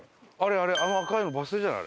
あの赤いのバス停じゃない？